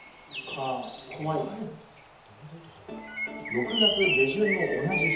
６月下旬の同じ日。